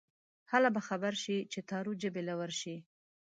هله به خبر شې چې تارو جبې له ورشې